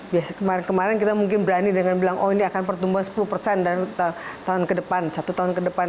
biasanya kemarin kemarin kita mungkin berani dengan bilang oh ini akan pertumbuhan sepuluh persen dari tahun ke depan satu tahun ke depan